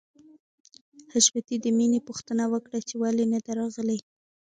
حشمتي د مینې پوښتنه وکړه چې ولې نده راغلې